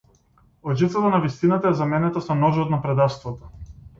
Лажицата на вистината е заменета со ножот на предавството!